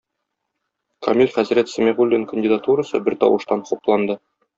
Камил хәзрәт Сәмигуллин кандидатурасы бертавыштан хупланды.